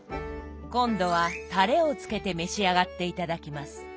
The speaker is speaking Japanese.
今度はたれをつけて召し上がって頂きます。